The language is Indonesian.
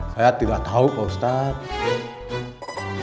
saya tidak tahu pak ustadz